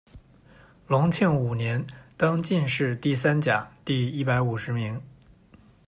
隆庆五年，登进士第三甲第一百五十名。